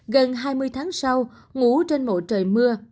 gần hai mươi tháng sau ngủ trên mộ trời mưa